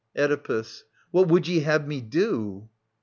Oedipus. What would ye have me do